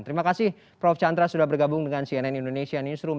terima kasih prof chandra sudah bergabung dengan cnn indonesia newsroom